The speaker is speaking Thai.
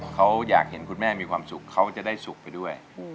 เขาอยากเห็นคุณแม่มีความสุขเขาจะได้สุขไปด้วย